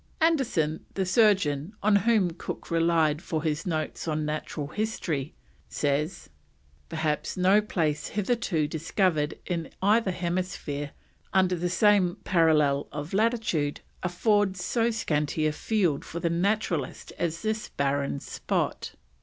Anderson, the surgeon, on whom Cook relied for his notes on Natural History, says: "Perhaps no place hitherto discovered in either hemisphere under the same parallel of latitude affords so scanty a field for the naturalist as this barren spot."